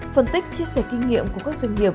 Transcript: phân tích chia sẻ kinh nghiệm của các doanh nghiệp